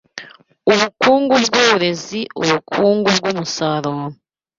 ubukungu bw’uburezi ubukungu bw’umusaruro